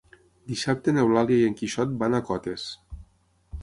Dissabte n'Eulàlia i en Quixot van a Cotes.